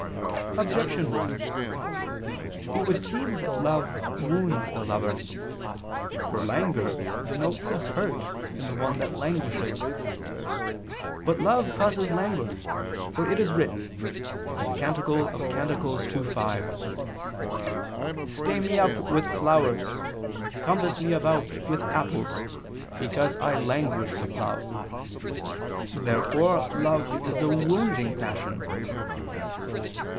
Objection 1: It would seem that love wounds the lover. For languor denotes a hurt in the one that languishes. But love causes languor: for it is written (Cant 2:5): "Stay me up with flowers, compass me about with apples; because I languish with love." Therefore love is a wounding passion.